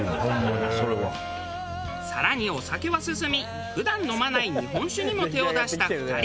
更にお酒は進み普段飲まない日本酒にも手を出した２人。